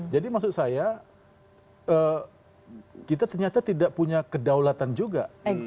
jadi maksud saya kita ternyata tidak punya kedaulatan juga